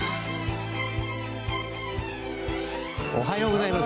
おはようございます。